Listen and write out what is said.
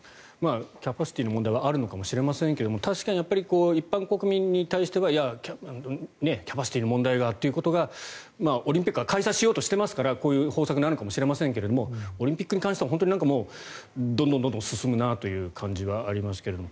キャパシティーの問題はあるのかもしれませんが確かに一般国民に対してはキャパシティーの問題がということがオリンピックは開催しようとしていますからこういう方策なのかもしれませんがオリンピックに関してはどんどん進むなという感じはありますけど。